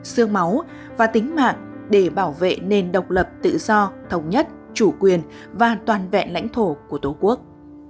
sương máu và tính mạng để bảo vệ nền độc lập tự do thống nhất chủ quyền và toàn vẹn lãnh thổ của tổ quốc